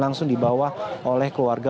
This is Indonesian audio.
langsung dibawa oleh keluarga